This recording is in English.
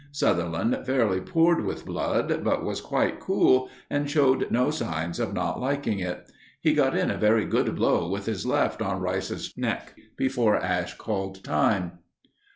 Sutherland fairly poured with blood, but was quite cool and showed no signs of not liking it. He got in a very good blow with his left on Rice's neck before Ash called time.